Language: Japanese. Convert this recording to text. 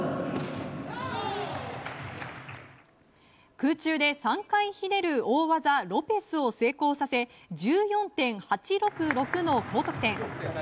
空中で３回ひねる大技ロペスを成功させ１４．８６６の高得点。